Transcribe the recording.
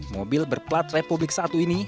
mobil berplat republik satu ini